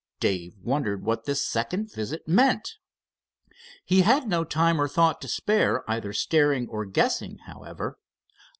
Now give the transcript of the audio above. Dave wondered what this second visit meant. He had no time nor thought to spare, either staring or guessing, however.